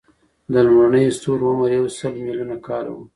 د لومړنیو ستورو عمر یو سل ملیونه کاله و.